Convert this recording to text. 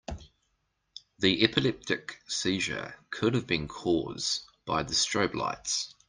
The epileptic seizure could have been cause by the strobe lights.